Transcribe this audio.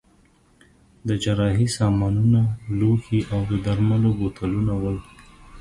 د جراحۍ سامانونه، لوښي او د درملو بوتلونه ول.